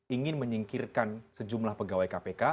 ingin menyingkirkan sejumlah pegawai kpk